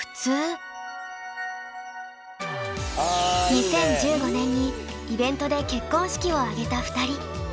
２０１５年にイベントで結婚式をあげた２人。